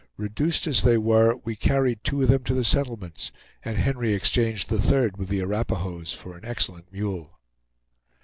Reduced as they were we carried two of them to the settlements, and Henry exchanged the third with the Arapahoes for an excellent mule.